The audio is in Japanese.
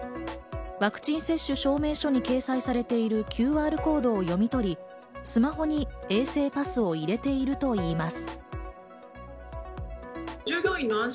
ワクチン接種証明書に掲載されているＱＲコード読み取り、スマホに衛生パスを入れているといいます。